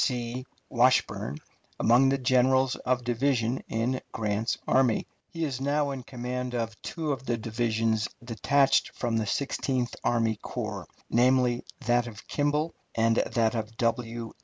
C. Washburn among the generals of division in Grant's army. He is now in command of two of the divisions detached from the Sixteenth Army Corps namely, that of Kimball and that of W.